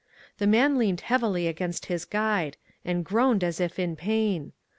The man leaned heavily against his guide, and groaned as if in pain.